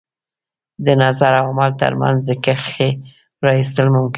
د نظر او عمل تر منځ د کرښې را ایستل ممکن دي.